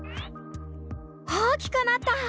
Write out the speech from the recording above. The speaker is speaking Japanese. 大きくなった！